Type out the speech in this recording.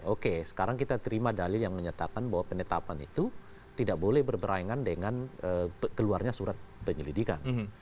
oke sekarang kita terima dalil yang menyatakan bahwa penetapan itu tidak boleh berberaingan dengan keluarnya surat penyelidikan